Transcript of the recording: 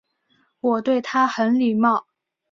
我对他很礼貌